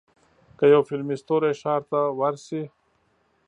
که یو فلمي ستوری ښار ته ورشي.